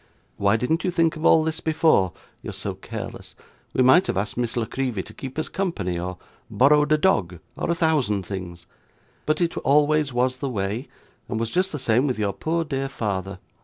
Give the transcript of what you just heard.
'Why didn't you think of all this before you are so careless we might have asked Miss La Creevy to keep us company or borrowed a dog, or a thousand things but it always was the way, and was just the same with your poor dear father.